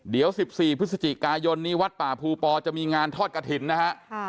เดี๋ยว๑๔พฤศจิกายนนี้วัดป่าภูปอจะมีงานทอดกระถิ่นนะฮะ